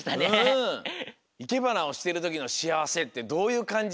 いけばなをしてるときのしあわせってどういうかんじ？